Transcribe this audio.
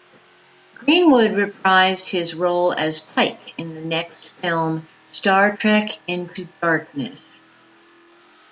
Greenwood reprised his role as Pike in the next film, "Star Trek Into Darkness".